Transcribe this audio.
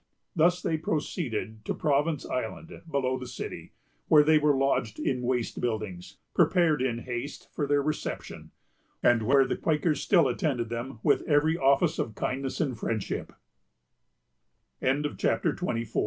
Thus they proceeded to Province Island, below the city, where they were lodged in waste buildings, prepared in haste for their reception, and where the Quakers still attended them, with every office of kindness and fr